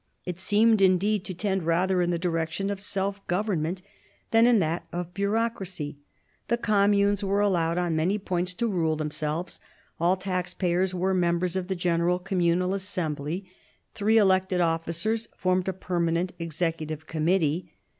It seemed indeed to tend rather in the direction of self government than in that of bureau cracy. The Communes were allowed on many points G 82 MARIA THERESA chap, iv to rule themselves, all tax payers were members of the general Communal Assembly, three elected officers formed a permanent executive committee.